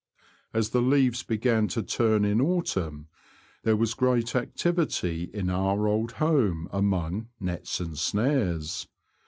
As the leaves began to turn in autumn there was great activ ity in our old home among nets and snares.